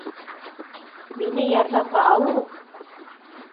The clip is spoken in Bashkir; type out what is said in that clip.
Мине ярҙамға алығыҙ